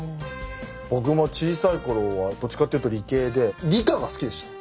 僕も小さい頃はどっちかっていうと理系で理科が好きでした。